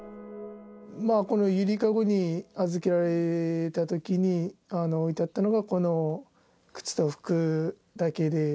このゆりかごに預けられたときに、置いてあったのが、この靴と服だけで。